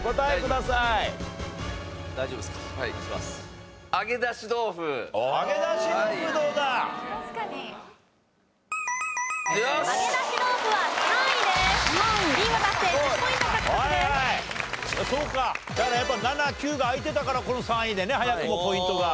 だからやっぱ７９が開いてたからこの３位でね早くもポイントが。